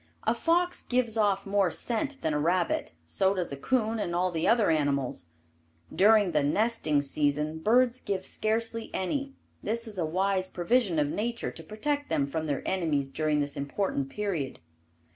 A fox gives off more scent than a rabbit, so does a coon and all the other animals. During the "nesting season" birds give scarcely any. This is a wise provision of Nature to protect them from their enemies during this important period.